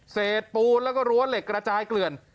เศษปูนแล้วก็รั้วเหล็กกระจายเกลื่อน